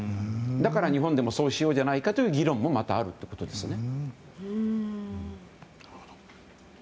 だから日本でもそうしようじゃないかという議論もあるということですね。